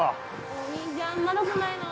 お兄ちゃんまだ来ないの？